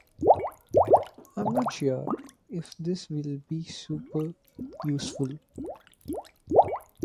I'm not sure if this will be super useful.